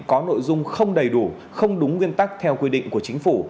có nội dung không đầy đủ không đúng nguyên tắc theo quy định của chính phủ